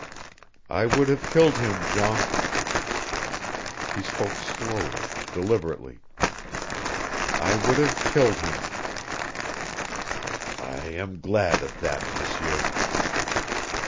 "I would have killed him, Jean." He spoke slowly, deliberately. "I would have killed him," he repeated. "I am glad of that, M'seur."